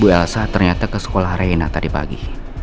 bu elsa ternyata ke sekolah reina tadi pagi